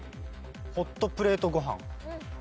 ホットプレートごはん。